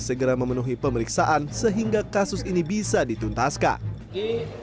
segera memenuhi pemeriksaan sehingga kasus ini bisa dituntaskan